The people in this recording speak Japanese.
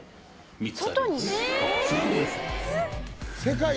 ３つ！？